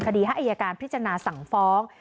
คดีฮัยการพิจารณาสั่งฟ้อง